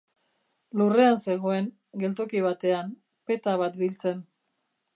Lurrean zegoen, geltoki batean, peta bat biltzen.